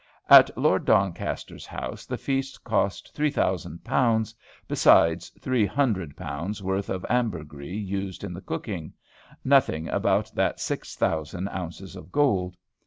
"At Lord Doncaster's house the feast cost three thousand pounds, beside three hundred pounds worth of ambergris used in the cooking," nothing about that six thousand ounces of gold.